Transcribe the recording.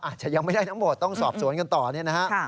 อาจจะยังไม่ได้ทั้งหมดต้องสอบสวนกันต่อเนี่ยนะฮะ